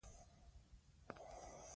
تعلیم یافته ښځه په کور کې ډېره هوسا وي.